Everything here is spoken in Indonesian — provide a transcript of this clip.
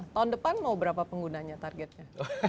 tahun depan mau berapa penggunanya targetnya